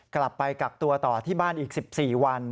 กลับไปกักตัวต่อที่บ้านอีก๑๔วัน